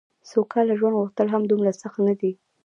سوکاله ژوند غوښتل هم دومره سخت نه دي.